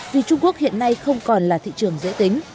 vì trung quốc hiện nay không còn là thị trường dễ tính